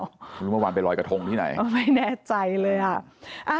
ไม่รู้ว่าวันไปลอยกระทงที่ไหนไม่แน่ใจเลยฮะ